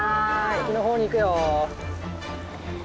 おきのほうに行くよ。